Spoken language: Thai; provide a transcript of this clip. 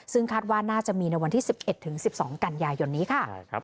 ซึ่งคาดว่าน่าจะมีในวันที่๑๑๑๒กันยายนนี้ค่ะ